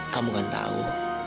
kamu kan tahu